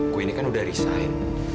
gue ini kan udah resign